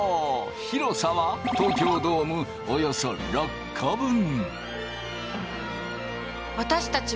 広さは東京ドームおよそ６個分。